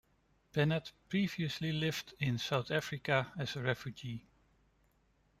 Bennett previously lived in South Africa as a refugee.